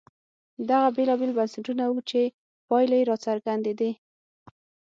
دغه بېلابېل بنسټونه وو چې پایلې یې راڅرګندېدې.